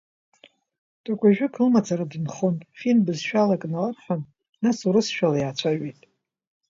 Ҭакәажәык лымацара дынхон, фин бызшәала акы наларҳәан, нас урысшәала иаацәажәеит…